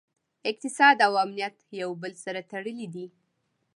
اقتصاد او امنیت یو له بل سره تړلي دي